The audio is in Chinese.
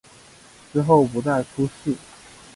之后不再出仕。